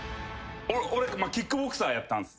俺キックボクサーやったんす。